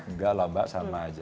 enggak lah mbak sama aja